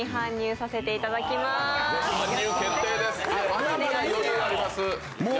まだまだ余裕あります。